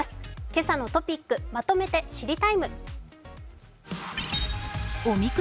今朝のトピックまとめて「知りＴＩＭＥ，」。